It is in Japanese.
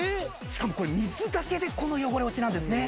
しかもこれ水だけでこの汚れ落ちなんですね。